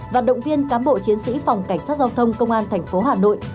và động viên cám bộ chiến sĩ phòng cảnh sát giao thông công an tp hà nội